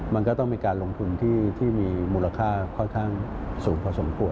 มันก็ต้องมีการลงทุนที่มีมูลค่าค่อนข้างสูงพอสมควร